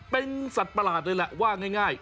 เป็นสัตว์ประหลาดเลยแหละว่าง่าย